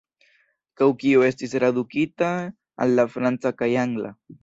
Kaj kiu estis tradukita al la franca kaj angla.